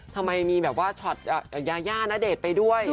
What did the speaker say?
ทำไมมีแบบว่าช็อตยาย่าณเดชน์ไปด้วย